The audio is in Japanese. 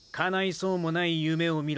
そうもない夢を見ろ。